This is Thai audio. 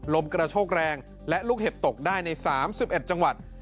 ลมกระโชกแรงและลูกเห็บตกได้ใน๓๑จังหวัด